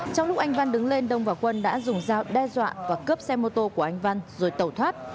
trong lúc anh văn đứng lên đông và quân đã dùng dao đe dọa và cướp xe mô tô của anh văn rồi tẩu thoát